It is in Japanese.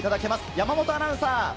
山本アナウンサー！